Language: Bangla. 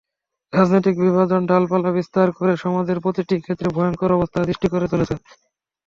রাজনৈতিক বিভাজন ডালপালা বিস্তার করে সমাজের প্রতিটি ক্ষেত্রে ভয়ংকর অবস্থার সৃষ্টি করে চলেছে।